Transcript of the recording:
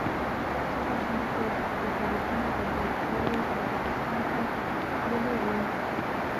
څه وخت مخکې د طالبانو د بلخ والي تاجکستان ته تللی وو